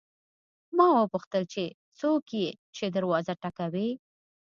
ما وپوښتل چې څوک یې چې دروازه ټکوي.